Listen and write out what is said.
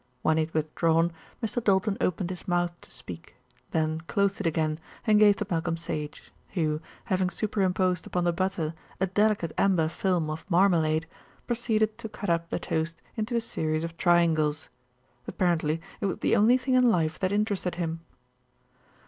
When he had withdrawn, Mr. Doulton opened his mouth to speak, then closed it again and gazed at Malcolm Sage, who, having superimposed upon the butter a delicate amber film of marmalade, proceeded to cut up the toast into a series of triangles. Apparently it was the only thing in life that interested him.